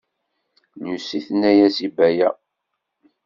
Lucy tenna-as i Baya.